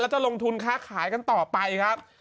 จะลงทุนค้าขายกันต่อไปครับ